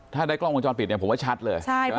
ถ้าได้กล้องวงจรปิดเนี่ยผมว่าชัดเลย